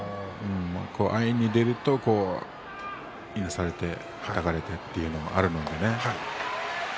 前に出るといなされてはたかれるということもあります。